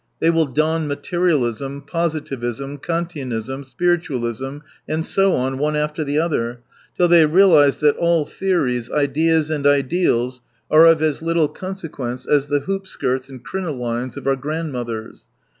They will don materialism, positivism, Kantianism, spirit ualism, and so on, one after the other, till they realise that all theories, ideas and ideals are as of little consequence as the hoop ^ skirts and crinolines of our grandmothers.